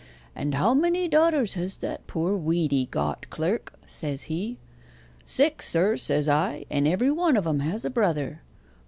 "And how many daughters has that poor Weedy got, clerk?" he says. "Six, sir," says I, "and every one of 'em has a brother!"